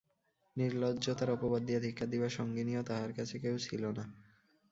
নির্লজ্জতার অপবাদ দিয়া ধিক্কার দিবার সঙ্গিনীও তাহার কাছে কেহ ছিল না।